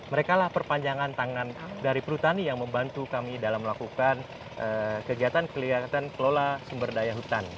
merekalah perpanjangan tangan dari perhutani yang membantu kami dalam melakukan kegiatan kegiatan kelola sumber daya hutan